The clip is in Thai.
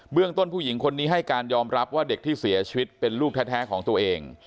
เรื่องต้นผู้หญิงคนนี้ให้การยอมรับว่าเด็กที่เสียชีวิตเป็นลูกแท้ของตัวเอง